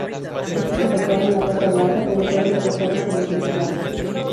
Estos atacaron la Casa Blanca, pero fueron derrotados por los Ultimates.